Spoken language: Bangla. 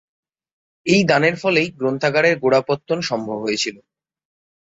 এই দানের ফলেই গ্রন্থাগারের গোড়াপত্তন সম্ভব হয়েছিল।